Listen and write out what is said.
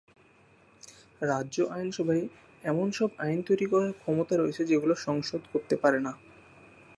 রাজ্য আইনসভায় এমন সব আইন তৈরি করার ক্ষমতা রয়েছে যেগুলো সংসদ করতে পারে না।